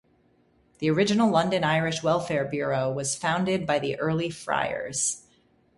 The original London Irish Welfare Bureau was founded by the early friars.